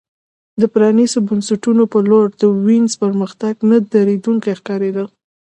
د پرانیستو بنسټونو په لور د وینز پرمختګ نه درېدونکی ښکارېده